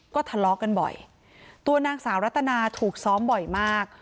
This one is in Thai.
ก็ทะเลาะกันบ่อยตัวนางสาวรัตนาถูกซ้อมบ่อยมาก